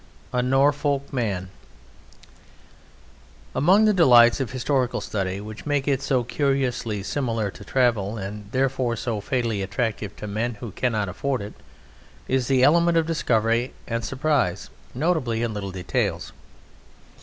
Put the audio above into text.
A NORFOLK MAN Among the delights of historical study which makes it so curiously similar to travel, and therefore so fatally attractive to men who cannot afford it, is the element of discovery and surprise: notably in little details.